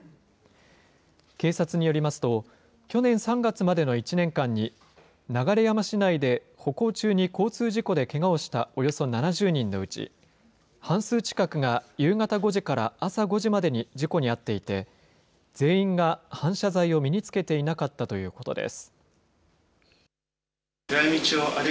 警察によりますと、去年３月までの１年間に流山市内で歩行中に交通事故でけがをしたおよそ７０人のうち、半数近くが夕方５時から朝５時までに事故に遭っていて、全員が反射材を身につけていなかったということです。